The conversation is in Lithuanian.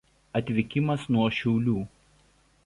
Atvykimas nuo Šiaulių.